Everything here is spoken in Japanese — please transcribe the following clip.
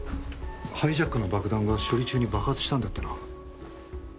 ハイジャックの爆弾が処理中に爆発したんだってな。